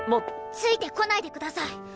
ついてこないでください。